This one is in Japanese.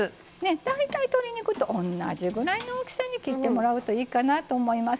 大体鶏肉とおんなじぐらいの大きさに切ってもらうといいかなと思います。